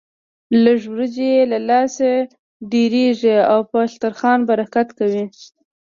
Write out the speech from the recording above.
لږ وريجې يې له لاسه ډېرېږي او په دسترخوان برکت کوي.